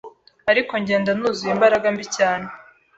ariko ngenda nuzuye imbaraga mbi cyane